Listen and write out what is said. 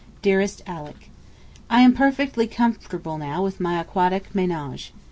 Dearest Alick, I am perfectly comfortable now with my aquatic ménage.